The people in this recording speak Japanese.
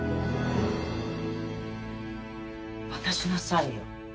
渡しなさいよ。